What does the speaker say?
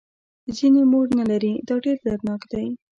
ځینې مور نه لري دا ډېر دردناک دی.